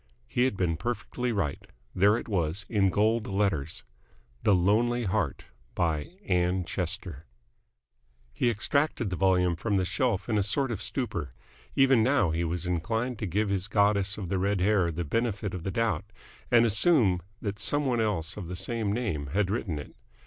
He had been perfectly right. There it was, in gold letters. THE LONELY HEART BY ANN CHESTER He extracted the volume from the shelf in a sort of stupor. Even now he was inclined to give his goddess of the red hair the benefit of the doubt, and assume that some one else of the same name had written it.